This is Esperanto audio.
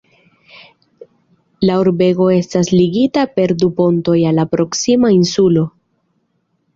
La urbego estas ligita per du pontoj al la proksima insulo.